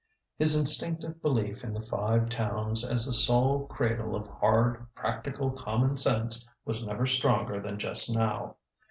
His instinctive belief in the Five Towns as the sole cradle of hard practical common sense was never stronger than just now.